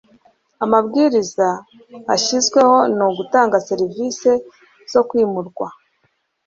amabwiriza ashyizweho ni utanga serivisi zo kwimurwa